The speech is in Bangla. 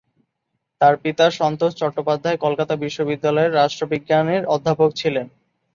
তার পিতা সন্তোষ চট্টোপাধ্যায় কলকাতা বিশ্ববিদ্যালয়ের রাষ্ট্রবিজ্ঞানের অধ্যাপক ছিলেন।